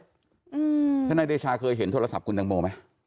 ทนายเดชาเคยเห็นโทรศัพท์คุณตังโมไหม